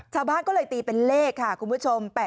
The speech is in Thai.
ชาวบ้านก็เลยตีเป็นเลขค่ะคุณผู้ชม